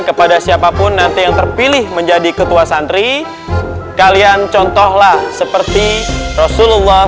kepada siapapun nanti yang terpilih menjadi ketua santri kalian contohlah seperti rasulullah